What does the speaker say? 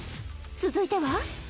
続いては